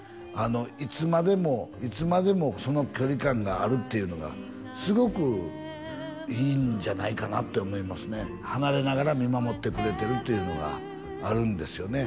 いつまでもいつまでもその距離感があるっていうのがすごくいいんじゃないかなって思いますね離れながら見守ってくれてるっていうのがあるんですよね